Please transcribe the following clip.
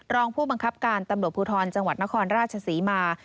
รองผู้บังคับการตำรวจภูทรจังหวัดนครราชศรีมา